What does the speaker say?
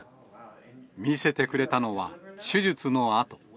見せてくれたのは、手術の痕。